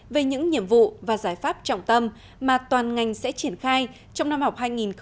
về những nhiệm vụ và giải pháp trọng tâm mà toàn ngành sẽ triển khai trong năm học hai nghìn một mươi sáu hai nghìn một mươi bảy